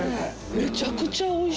めちゃくちゃおいしい。